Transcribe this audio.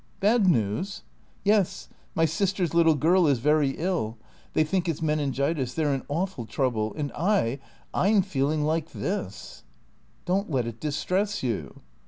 "Bad news?" "Yes. My sister's little girl is very ill. They think it's meningitis. They're in awful trouble. And I I'm feeling like this." "Don't let it distress you."